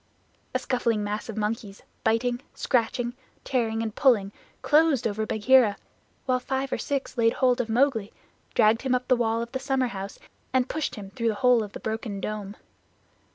A scuffling mass of monkeys, biting, scratching, tearing, and pulling, closed over Bagheera, while five or six laid hold of Mowgli, dragged him up the wall of the summerhouse and pushed him through the hole of the broken dome.